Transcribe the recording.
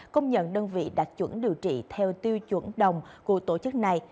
công nhận đơn vị đạt chuẩn điều trị theo tiêu chuẩn đồng của tổ chức này